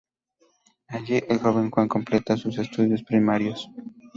Allí, el joven Juan completa sus estudios primarios.